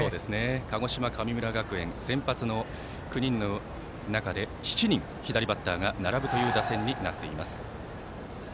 鹿児島、神村学園先発の９人の中で７人、左バッターが並ぶという打線になっています。